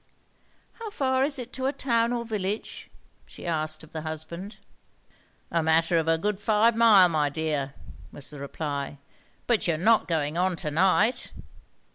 "How far is it to a town or village?" she asked of the husband. "A matter of a good five mile, my dear." was the reply; "but you're not going on to night?"